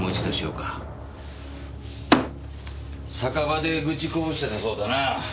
酒場で愚痴こぼしてたそうだな。